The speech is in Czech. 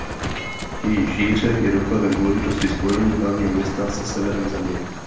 Její šíře je dokladem důležitosti spojení hlavního města se severem země.